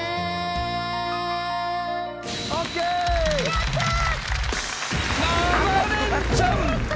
やったー！